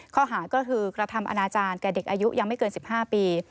ข้อหาก็คือกระทำอนาจารย์แก่เด็กอายุยังไม่เกิน๑๕ปี